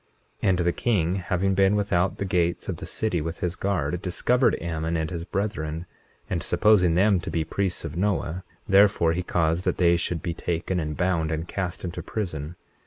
21:23 And the king having been without the gates of the city with his guard, discovered Ammon and his brethren; and supposing them to be priests of Noah therefore he caused that they should be taken, and bound, and cast into prison.